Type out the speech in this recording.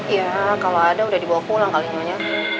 iya kalau ada udah dibawa pulang kali ininya